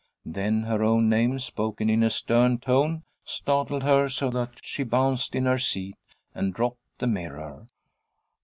Then her own name, spoken in a stern tone, startled her so that she bounced in her seat and dropped the mirror.